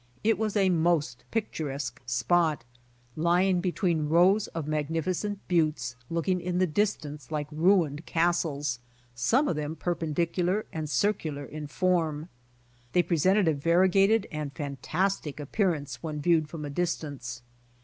It was a most picturesque spot, lying between rows of mag nificent buttes looking in the distance, like ruined castles, som!e of them perpendicular and circular in form. They presented a variegated and fantastic appearance when viewed from a distance.